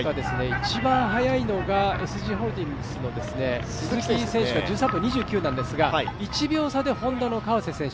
一番速いのがＳＧホールディングスの鈴木選手の１３分２９なんですが、１秒差でＨｏｎｄａの川瀬選手